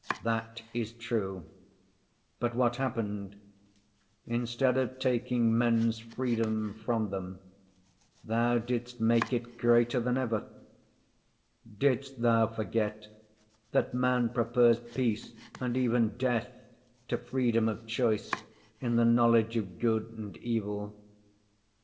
That is true. But what happened? Instead of taking men's freedom from them, Thou didst make it greater than ever! Didst Thou forget that man prefers peace, and even death, to freedom of choice in the knowledge of good and evil?